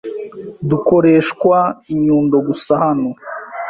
Dukoreshwa inyundo gusa hano